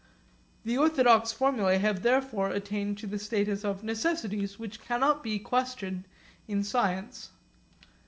The orthodox formulae have therefore attained to the status of necessities which cannot be questioned in science.